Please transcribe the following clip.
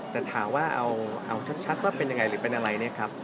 แต่ถามว่าเอาชัดว่าเป็นยังไงหรือเป็นอะไรเนี่ยครับ